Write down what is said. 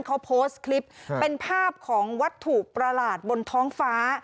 เขาโพสต์คลิปเป็นภาพของวัตถุประหลาดบนท้องฟ้า